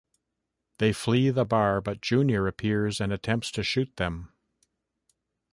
They flee the bar, but Junior appears and attempts to shoot them.